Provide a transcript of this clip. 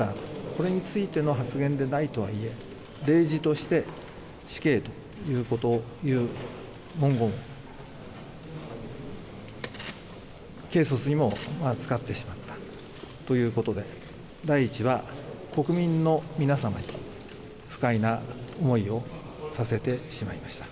これについての発言でないとはいえ例示として、死刑という文言を軽率にも扱ってしまったということで第１は、国民の皆様に不快な思いをさせてしまいました。